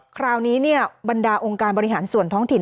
คราวนี้บรรดาองค์การบริหารส่วนท้องถิ่น